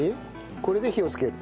これで火をつける。